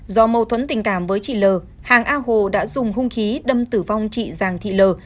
do mâu thuẫn tình cảm với chị l hàng a hồ đã dùng hung khí đâm tử vong chị giàng thị lờ